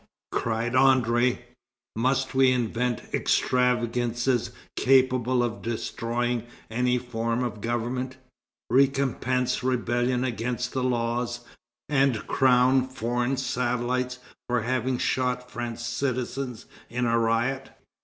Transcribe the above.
cried André, "must we invent extravagances capable of destroying any form of government, recompense rebellion against the laws, and crown foreign satellites for having shot French citizens in a riot?